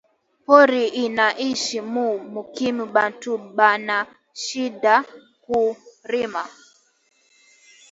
Pori ina isha mu mukini bantu bana shinda ku rima